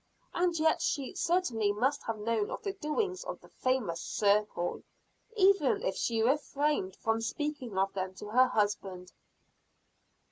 And yet she certainly must have known of the doings of the famous "circle," even if she refrained from speaking of them to her husband.